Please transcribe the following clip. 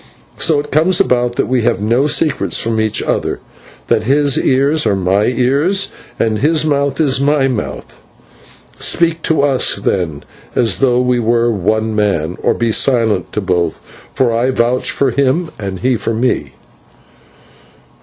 So it comes about that we have no secrets from each other; that his ears are my ears, and his mouth is my mouth. Speak to us, then, as though we were one man, or be silent to both, for I vouch for him and he for me."